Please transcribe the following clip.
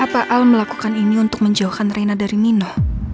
apa al melakukan ini untuk menjauhkan reina dari mina